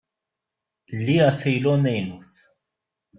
Ldi afaylu amaynut.